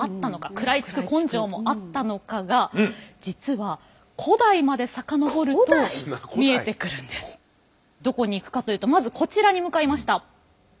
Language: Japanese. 食らいつく根性もあったのかが実はどこに行くかというとまずこちらに向かいました。